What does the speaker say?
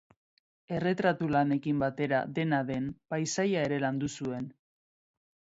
Erretratu-lanekin batera, dena den, paisaia ere landu zuen.